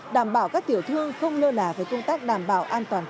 đảm bảo các tiểu thương không lơ là với công tác đảm bảo an toàn